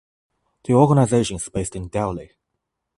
The organization is based in Delhi.